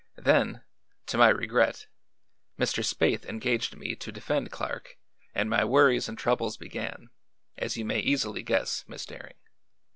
Then, to my regret, Mr. Spaythe engaged me to defend Clark and my worries and troubles began, as you may easily guess, Miss Daring.